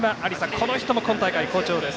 この人も今大会好調です。